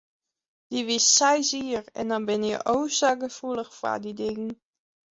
Dy wie seis jier en dan binne je o sa gefoelich foar dy dingen.